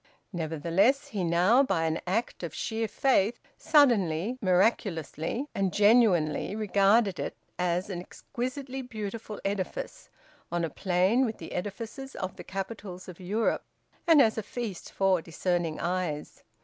Nevertheless he now, by an act of sheer faith, suddenly, miraculously and genuinely regarded it as an exquisitely beautiful edifice, on a plane with the edifices of the capitals of Europe, and as a feast for discerning eyes.